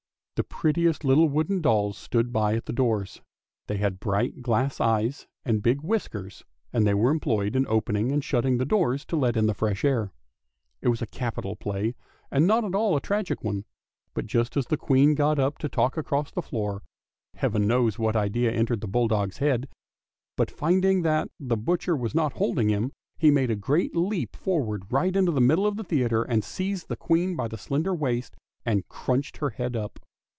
The prettiest little wooden dolls stood by all the doors, they had bright glass eyes and big whiskers, and they were employed in opening and shutting the doors to let in the fresh air. It was a capital play, and not at all a tragic one, but just as the Queen got up to walk across the floor — Heaven knows what idea entered the bulldog's head, but finding that the butcher was not holding him, he made a great leap forward right into the middle of the theatre and seized the Queen by the slender waist, and crunched her head up.